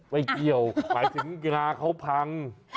ไม่เกี่ยวความถึงหงาเขาพัง